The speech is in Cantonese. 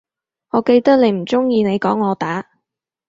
我記得你唔鍾意你講我打